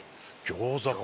餃子か。